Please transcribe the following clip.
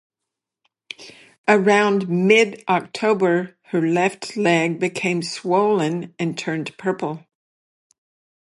Around mid-October her left leg became swollen and turned purple.